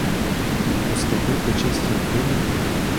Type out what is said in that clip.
У степу по чистім полю?